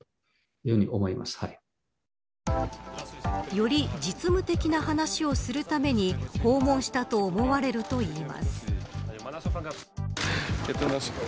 より実務的な話をするために訪問したと思われるといいます。